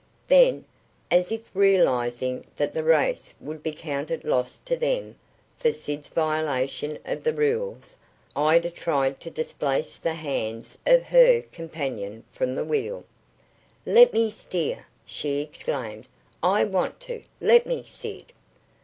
Then, as if realizing that the race would be counted lost to them for Sid's violation of the rules, Ida tried to displace the hands of her, companion from the wheel. "Let me steer!" she exclaimed. "I want to! Let me, Sid!"